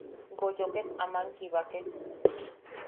Goyo ket aman kibakek.